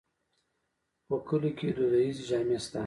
خو په کلیو کې دودیزې جامې شته.